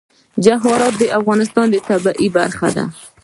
جواهرات د افغانستان د طبیعت برخه ده.